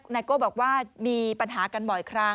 นายโก้บอกว่ามีปัญหากันบ่อยครั้ง